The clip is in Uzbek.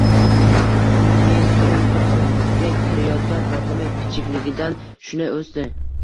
Bu yil o'n to'qqizga kirayotgan Fotima kichikligidan shunday o'sdi.